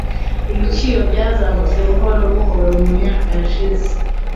Ibiciro byazamutse buhoro buhoro mumyaka yashize.